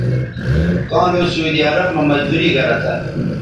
کاں لو سعودی عرب مہ مزدوری گرہ تھہ